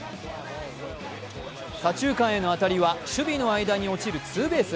左中間への当たりは守備の間に落ちるツーベース。